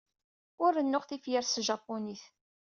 Ur rennuɣ tifyar s tjapunit.